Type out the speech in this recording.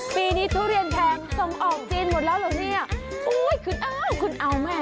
ปีนี้ทุเรียนแพงส่งออกจีนหมดแล้วเหรอเนี่ยอุ้ยคุณเอาคุณเอาแม่